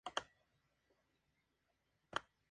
Su oficina de ventas se encuentra en la oficina de Reino Unido.